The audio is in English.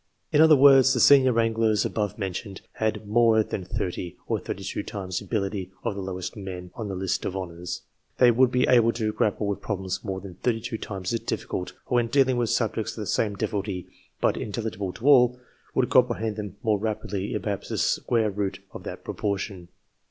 In other words, the senior wranglers above mentioned had more than thirty, or thirty two times the ability of the lowest men on the lists of honours. They would be able to grapple with problems more than thirty two times as difficult ; or when dealing with subjects of the same difficulty, but intelligible to all, would comprehend them more rapidly in perhaps the square root of that proportion.